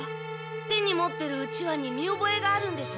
手に持ってるうちわに見おぼえがあるんです。